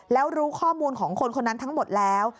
แล้วรู้ข้อมูลของคนคนนั้นทั้งหมดแล้ว